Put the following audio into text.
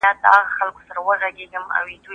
دا کیسه په ټولنیزو رسنیو کې د خلکو د پوهولو لپاره ده.